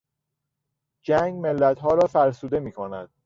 جنگ ملتها را فرسوده میکند.